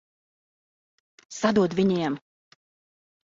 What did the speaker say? Sadod viņiem!